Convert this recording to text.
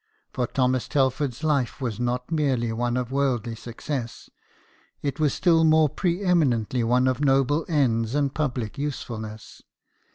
For Thomas Telford's life was not merely one of worldly success ; it was still more pre eminently one of noble ends and public usefulness.